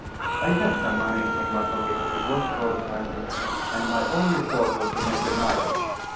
I had some money in my pocket it was Shrove Sunday and my only thought was to make a night of it.